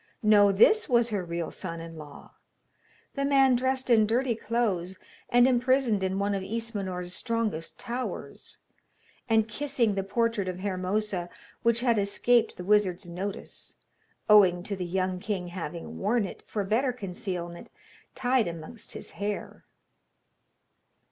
No, this was her real son in law the man dressed in dirty clothes, and imprisoned in one of Ismenor's strongest towers, and kissing the portrait of Hermosa, which had escaped the wizard's notice, owing to the young king having worn it, for better concealment, tied amongst his hair.